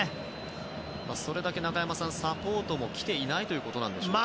それだけ中山さん、サポートも来てないということでしょうか。